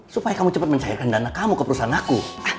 supaya kamu cepat mencairkan dana kamu ke perusahaan aku